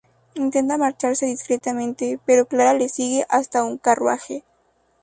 Intenta marcharse discretamente, pero Clara le sigue hasta un carruaje.